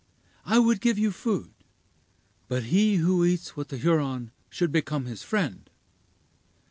I would give you food; but he who eats with a Huron should become his friend.